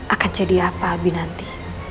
akan jadi apa abinanti